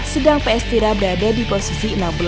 sedang ps tira berada di posisi enam belas